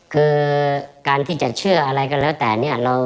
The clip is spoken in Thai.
คือการที่จะเชื่ออะไรก็แล้วแต่เนี่ย